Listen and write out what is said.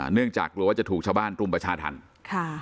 เนื่องจากกลัวว่าจะถูกชาวบ้านรุมประชาธรรมค่ะ